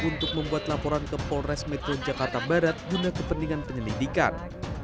untuk membuat laporan ke polres metro jakarta barat guna kepentingan penyelidikan